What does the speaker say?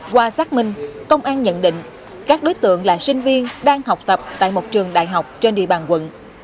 qua xác minh công an nhận định các đối tượng là sinh viên đang học tập tại một trường đại học trên địa bàn quận